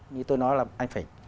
như tôi nói là anh phải